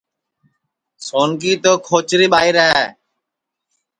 سونکی تو کھوچری ٻائیر ہے